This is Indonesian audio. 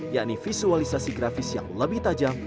yakni visualisasi grafis yang lebih mudah dan lebih mudah